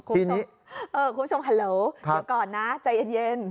คุณผู้ชมฮัลโหลเดี๋ยวก่อนนะใจเย็น